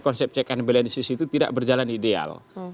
konsep check and balances itu tidak berjalan ideal